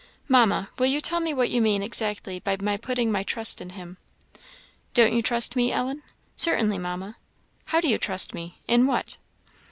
"Mamma, will you tell me what you mean exactly by my 'putting my trust' in Him?" "Don't you trust me, Ellen?" "Certainly, Mamma." "How do you trust me? in what?"